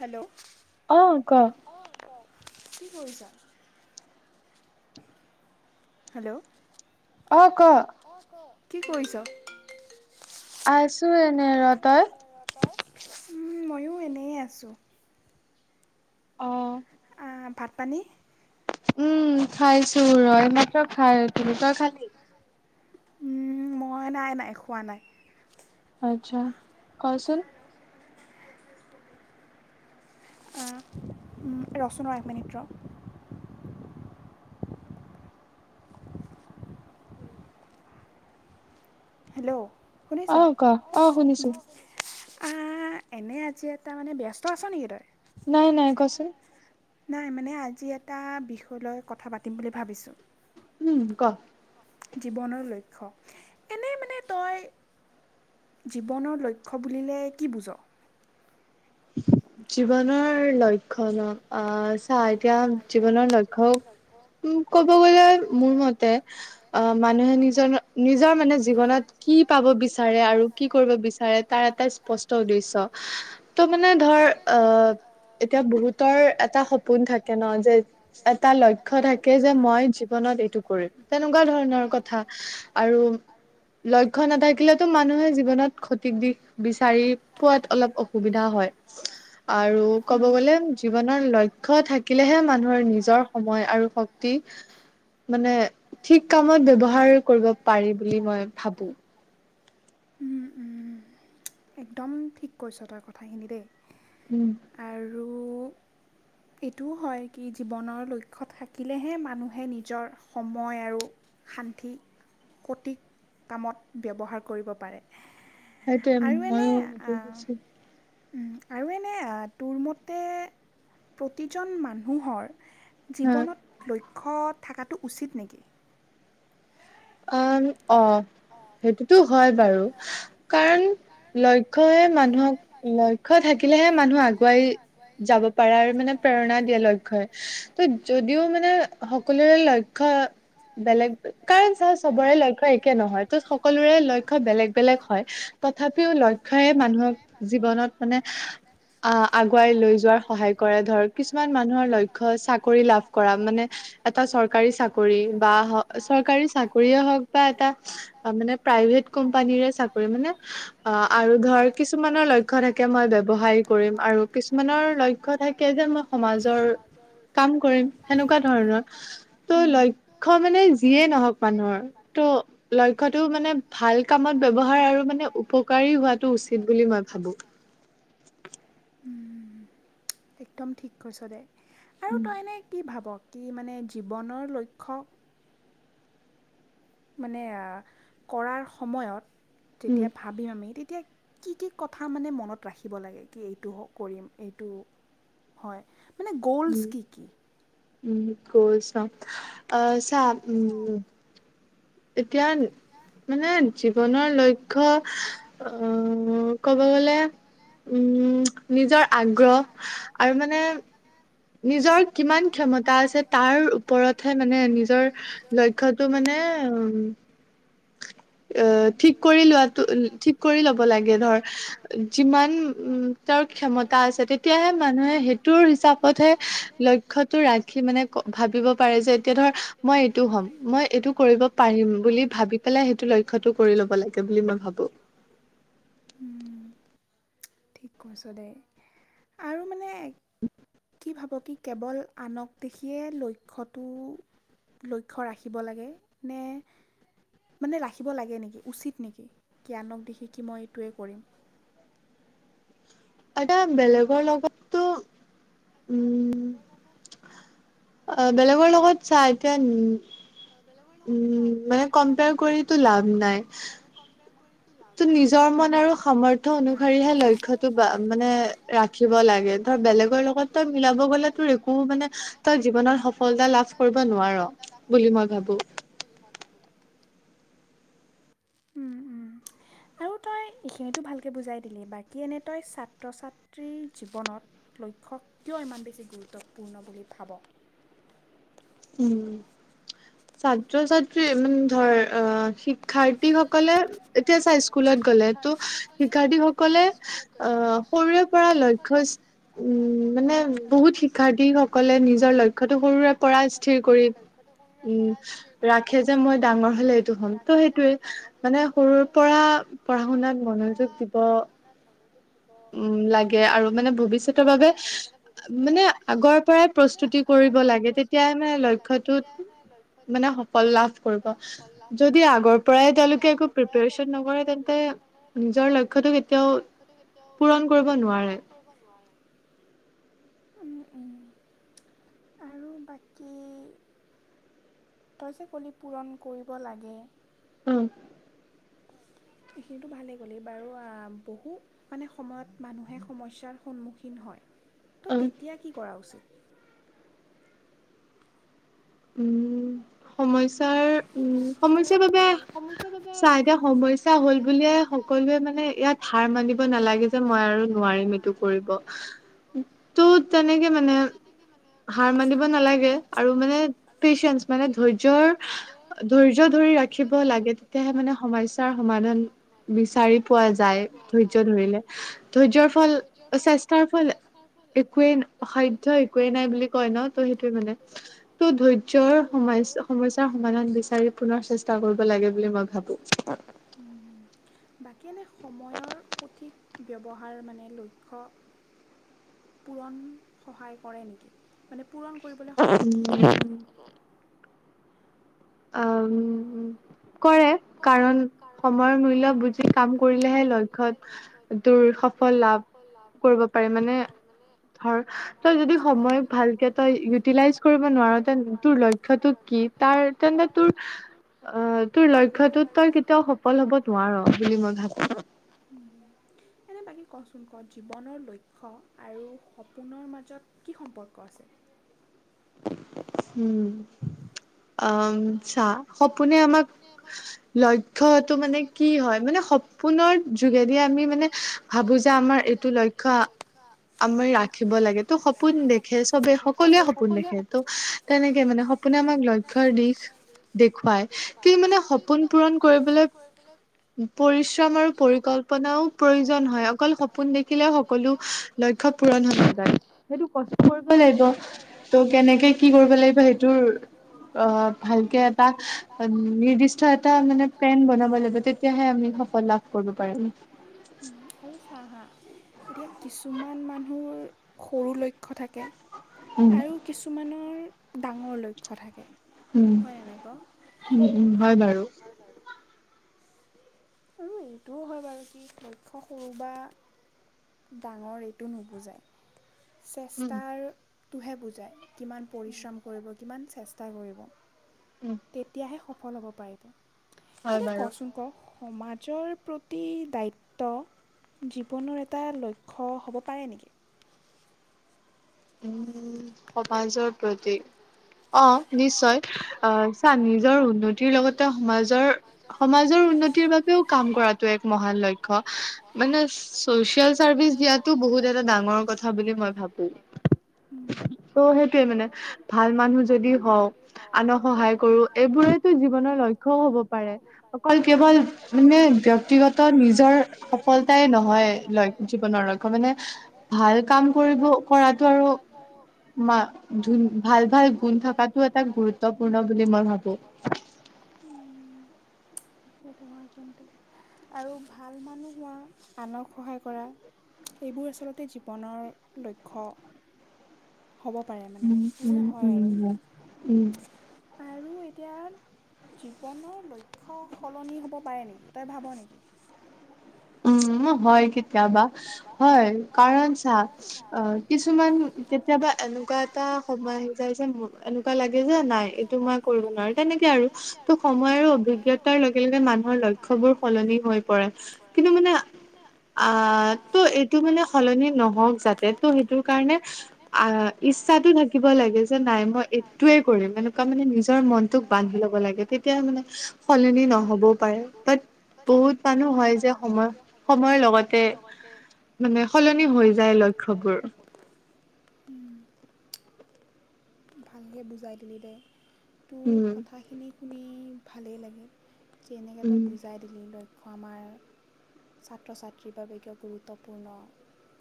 Hello আহ ক, কি কৰিছা হেল্ল' কি কৰিছ? আছো এনে ৰ তই। ময়ো এনেইয়ে আছোঁ। অ' ভাত পানী, উম খাইছো ৰয় মাত্ৰ খাই উ তিলো তই খালি, উম মই নাই নাই খোৱা নাই। কোৱাচোন ৰচুনৰ একমিনিত্ৰ হেল্ল' আহ ক আহ শুনিছো। এনেই আজি এটা মানে ব্যস্ত আছ নেকি তই। নাই নাই কচোন। নাই মানে আজি এটা বিষয় লৈ কথা পাতিম বুলি ভাবিছোঁ। উম, ক'। জীৱনৰ লক্ষ্য এনে মানে তই জীৱনৰ লক্ষ্য বুলিলে কি বুজো? জীৱনৰ লক্ষ্য ন আহ চা এতিয়া জীৱনৰ লক্ষ্য উ ক'ব গ'লে। মোৰ মতে অ মানুহে নিজৰ নিজৰ মানে জীৱনত কি পাব বিচাৰে আৰু কি কৰিব বিচাৰে তাৰ এটা স্পষ্ট উদ্দেশ্য ত মানে অ এতিয়া বহুতৰ এটা সপোন থাকে। ন যে এটা লক্ষ্য থাকে। যে মই জীৱনত এইটো কৰিম তেনেকুৱা ধৰণৰ কথা আৰু লক্ষ্য নাথাকিলেতো মানুহে জীৱনত সঠিক দিশ বিচাৰি পোৱাত অলপ অসুবিধা হয় আৰু ক'ব গ'লে জীৱনৰ লক্ষ্য থা থাকিলেহে মানুহৰ নিজৰ সময় আৰু শক্তি মানে ঠিক কামত ব্যৱহাৰ কৰিব পাৰি বুলি মই ভাবো। উম, উম, একদম ঠিক কৈছ' তই কথাখিনি দেই। উম, আৰু এইটোও হয় কি জীৱনৰ লক্ষ্য থাকিলেহে মানুহে নিজৰ সময় আৰু শান্তি সঠিক কামত ব্যৱহাৰ কৰিব পাৰে। সেইটোৱে, মইয়ো সেইটো কৈছোঁ। আৰু এনে টোৰ মতে প্ৰতিজন মানুহৰ জীৱনত লক্ষ্য থকাটো উচিত নেকি? অ', অ সেইটোতো হয় বাৰু কাৰণ লক্ষ্যয়ে মানুহক লক্ষ্য থাকিলেহে মানুহ আগুৱাই যাব পাৰাৰ মানে প্ৰেৰণা দিয়ে লক্ষ্যই ত যদিও মানে সকলোৰে লক্ষ্য বেলেগ কাৰণ ছাৰ চবৰে লক্ষ্য একে নহয় তো সকলোৰে লক্ষ্য বেলেগ বেলেগ হয়, তথাপিও লক্ষ্য মানুহক জীৱনত মানে আহ আগুৱাই লৈ যোৱাৰ সহায় কৰে। ধৰক কিছুমান মানুহৰ লক্ষ্য চাকৰি লাভ কৰা মানে এটা চৰকাৰী চাকৰি বা চৰকাৰী চাকৰিয়ে হওক বা এটা মানে প্ৰাইভেট কোম্পানীৰে চাকৰি মানে আৰু ধৰ কিছুমানৰ লক্ষ্য থাকে মই ব্যৱসায় কৰিম আৰু কিছুমানৰ লক্ষ্য থাকে যে মই সমাজৰ কাম কৰিম সেনেকুৱা ধৰণৰ। ত লক্ষ্য মানে যিয়ে নহওক মানুহৰ ত লক্ষ্যটো মানে ভাল কামত ব্যৱহাৰ আৰু মানে উপকাৰী হোৱাটো উচিত বুলি মই ভাবোঁ। [inaudible] একদম ঠিক কৈছ দে আৰু তই এনেই কি ভাব কি মানে জীৱনৰ লক্ষ্য মানে কৰাৰ সময়ত, যেতিয়া ভাবিম আমি এতিয়া কি কি কথা মানে মনত ৰাখিব লাগে কি এইটো কৰিম এইটো হয় মানে, গোলছ কি কি। উম গৈ চাম উম। এতিয়া মানে জীৱনৰ লক্ষ্য আহ ক'ব গ'লে উম নিজৰ আগ্ৰহ আৰু মানে নিজৰ কিমান ক্ষমতা আছে তাৰ ওপৰতহে মানে নিজৰ লক্ষ্যটো মানে অ অ', ঠিক কৰি লোৱাটো ঠিক কৰি ল'ব লাগে ধৰ, যিমান তাৰ ক্ষমতা আছে তেতিয়াহে মানুহে সেইটোৰ হিচাপতহে লক্ষ্যটো ৰাখি মানে ভা ভাবিব পাৰে যে এতিয়া ধৰ মই এইটো হ'ম মই এইটো কৰিব পাৰিম বুলি ভাবি পেলাই সেইটো [unintelligible] লক্ষ্যটো। ঠিক কৰিছ দেই আৰু মানে। [inaudible] ভাবো কি কেৱল আনক দেখিয়ে লক্ষ্যটো লক্ষ্য ৰাখিব লাগে নে মানে ৰাখিব লাগে। দে নেকি উচিত নেকি কি আনক দেখি কি মই এইটোৱে কৰিম। এটা বেলেগৰ লগতো উম, অ, বেলেগৰ লগত চা এতিয়া উম, মানে কম্পেয়াৰ কৰিতো লাভ নাই। ত নিজৰ মন আৰু সামৰ্থয় অনুসৰিহে লক্ষ্যতটো বা মানে ৰাখিব লাগে। ত বেলেগৰ লগত তই মিলাব গ'লে তোৰ একো মানে তই জীৱনত সফলতা লাভ কৰিব নোৱাৰ। উম - উম। আৰু তই এইখিনিতো ভালকে বুজাই দিলি বাকী এনে তই ছাত্ৰ ছাত্ৰীৰ জীৱনত লক্ষ্য কিয় ইমান বেছি গুৰুত্বপূৰ্ণ বুলি ভাব। উম, ছাত্ৰ ছাত্ৰী মানে ধৰ অ, শি শিক্ষাৰ্থীসকলে এতিয়া চাই স্কুলত গ'লে ত' শিক্ষাৰ্থীসকলে অ, সৰুৰে পৰা লক্ষ্যয় উম, মানে বহুত শিক্ষাৰ্থী সকলে নিজৰ লক্ষ্যতো গৰুৰে পৰা স্থিৰ কৰি উম, ৰাখে যে মই ডাঙৰ হলে এইটো হ'ম ত' সেই মানে সৰুৰ পৰা পঢ়া শুনাত মনোযোগ দিব। অহ ', উম, লাগে আৰু মানে ভৱিষ্যতৰ বাবে মানে আগৰ পৰাই প্ৰস্তুতি কৰিব লাগে। এ তেতিয়া মানে লক্ষ্য মানে সফল লাভ কৰিব য আগৰ পৰাই তেওলোকে একো প্ৰিপচন নকৰে তেন্তে নিজৰ লক্ষ্যতো কেতিয়াও উম - উম। আৰু বাকী তইচ কলি পূৰণ কৰিব লাগে। অ', এইখিনো ভালেই গ'লেই বাৰু বহু মানে সময়ত মানুহে সমস্যাৰ সন্মুখীন হয়। ত' তেতিয়া কি কৰা উচিত। উম, সমস্যাৰ উম, সমস্যাৰ বাবে চাহ এতিয়া সমস্যা হল বুলিয়ে সকলোৱে মানে ইয়াত ধাৰ মান মানিব নালাগে যে মই আৰু নোৱাৰিম এইটো কৰিব ত' তেনেকে মানে। হাৰ মানিব নালাগে আৰু মানে পেচিয়েঞ্চ মানে ধৰ্য্য। ধৈয্য ধৰি ৰাখিব লাগে তেতিয়াহে মানে সমস্যাৰ সমাধান বিচাৰি পোৱা যায়। ধৰিলে ধৰ্য্যৰ ফল চেষ্ট ফল একোৱ এক নাই বুলি কয় ন সেইয়ে মানেৰ সম - সমাধান বিচাৰি পুনৰ চেষ্টা কৰিব লাগে বুলি মই ভাবো বাকী এনে সময়ৰ সঠিক ব্যৱহাৰ মানে লক্ষ্য। পুৰণ, সহায় কৰে নেকি মানে পূৰণ কৰিবলৈ শিকায় নেকি? অ', কৰে কাৰণ সময়ৰ মূল্য বুজি কাম কৰিলেহে লক্ষ্য দুৰ সফল লাভ কৰিব পাৰি মানে ধৰ তই যদি সময় ভালকে তই ইউটিলাইজ কৰিব নোৱাৰ তে তোৰ লক্ষ্যটোত কি তাৰ তেন্তে তোৰ অ, তোৰ লক্ষ্য লক্ষ্য তই কেতিয়াও সফল হব নোৱাৰ এনে বাকী কচোন ক জীৱনৰ লক্ষ্য আৰু সপোনৰ মাজত কি সম্পৰ্ক আছে। উম, অহ, চা সপোনে আমাক লক্ষ্যটো মানে কি হয় মানে সপোনৰ [unintelligible] ভাবোঁ যে আমি এইটো লক্ষ্য, আমি ৰাখিব লাগে ত' স সপোন দেখে, চবে সকলোৱে সপোন দেখে। ত' তেনেকে মানে সপোনে আমাক লক্ষ্যৰ দিশ দে খুৱাই কি মানে সপোন পূৰণ কৰিবলৈ পৰিশ্ৰম আৰু পৰিকল্পনাও প্ৰয়োজন হয় অকল সপোন দেখিলে সকলো লক্ষ পুৰণ হব যায়, সেইটো কষ্ট কৰিব লাগিবই। ত' কেনেকে কি কৰিব লাগিব সেইটোৰ অ, ভালকে এটা নিৰ্দিষ্ট এটা মানে প্লেন বনাব লাগিব তেতিয়াহে আমি সফল লাভ কৰিব পাৰিম। মআৰু চা হা, এতিয়া কিছুমান মানুহ সৰু লক্ষ লক্ষ্য থাকে, আৰু কিছুমানৰ ডাঙৰ লক্ষ্য থাকে। হয়নে নাই ক'? উম, হয় বাৰু। আৰু এইটোও হয় বাৰু কি লক্ষ্য সৰু বা ডাঙৰ এইটো নুবুজায়। চেষ্টাৰটোহে বুজায় কিমান পৰিশ্ৰম কৰিব কিমান চেষ্টা কৰিব। তেতিয়াহে সফল হব পাৰি এতিয়া কচোন ক সমাজৰ প্ৰতি দায়িত্ব জীৱনৰ এটা লক্ষ্য হ'ব পাৰে নেকি? উম সমাজৰ প্ৰতি? অ' নিশ্চয় আহ, চা নিজৰ উন্নতিৰ লগতে সমাজৰ সম সমাজৰ উন্নতিৰ বাবেও কাম কৰাটো এক মহান লক্ষ্য, মানে ছ'চিয়েল ছাৰ্ভিচ দিয়া [unintelligible] বহুত এটা ডাঙৰ কথা বুলি মই ভাবো। উম। মানে ভাল মানুহ যদি হওঁ আনক সহায় কৰো এইবোৰেতো জীৱনৰ লক্ষ্যও হ'ব হব পাৰে, অকল কেৱল মানে ব্যক্তিগত নিজৰ সফলতাই নহয় জীৱনৰ লক্ষ্য মানে ভাল কাম কৰিব কৰাটো আৰু মা ধুন, ভাল ভাল গুণ থকাটো এটা গুৰুত্বপূৰ্ণ বুলি মই ভাবো। সেইটো হয় কিন্তু। আৰু ভাল মানুহ হোৱা আনক সহায় কৰা। এইবোৰ আচলতে জীৱনৰ লক্ষ্য হ'ব পাৰে মানে এইবোৰে হয় আৰু, আৰু এতিয়া জীৱনৰ লক্ষ্য সলনি হ'ব পাৰে নেকি তই ভাব নেকি। উম হয় কেতিয়াবা হয় কাৰণ চা অ কিছুমান কেতিয়াবা এনেকুৱা এটা সময় আহি যাই যে এনেকুৱা লাগে যে নাই এইটো মই কৰিব নোৱাৰো তেনেকে আৰ ত সময় আৰু অভিজ্ঞতাৰ লগে লগে মানুহৰ লক্ষ্য বোৰ সলনি হৈ পৰে। কিন্তু মানে আহ, ত' এইটো মানে সলনি নহওক যাতে ত' সেইটো কাৰণে আহ ইচ্ছাটো থাকিব লাগে যে নাই মই এইটোৱে কৰিম এনেকুৱা মানে নিজৰ মনটোক বান্ধি ল'ব লাগে তিয়া মানে সলনি নহ'বও পাৰে বাট বহুত মানুহ হয় যে সময় সময়ৰ লগতে মানে সলনি হৈ যায় লক্ষ্যবোৰ। ভালকে বুজাই দিলি দে তোৰ কথাখিনিত শুনি ভালেই লাগে, যেনেকৈ তই বুজাই দিলি লয় আমাৰ ছাত্ৰ ছাত্ৰীৰ বাবে কিয় গুৰুত্বপূৰ্ণ।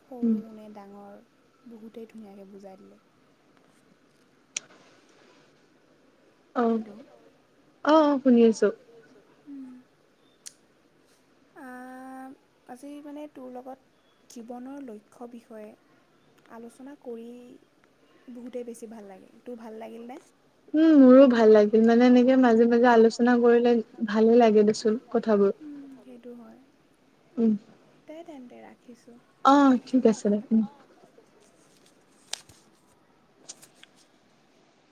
সৰু নে ডাঙৰ বহুতেই ধুনীয়াকৈ বুজাই দিলে। অ' অ' শুনি আছো। উম আহ আজি মানে তোৰ লগত জীৱনৰ লক্ষ্যৰ বিষয়ে আলোচনা কৰি বহুতেই বেছি ভাল লাগিল তোৰ ভাল লাগিল নে? উ মোৰো ভাল লাগিল মানে এনেকে মাজে মাজে আলোচনা কৰিলে ভালে লাগে দেচোন কথাবোৰ। সেইটো হয়। দে তেন্তে ৰাখিছো পিছত কথা পাতিম।